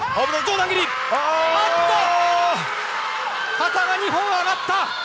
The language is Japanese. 旗が２本上がった！